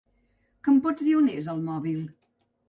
Que em pots dir on és el mòbil?